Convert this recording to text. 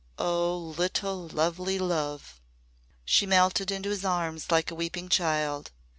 "Oh, little lovely love!" She melted into his arms like a weeping child.